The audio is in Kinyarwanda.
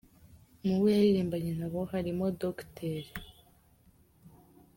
Mu bo yaririmbanye na bo harimo Dr.